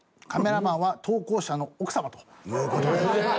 カメラマンは投稿者の奥様という事で。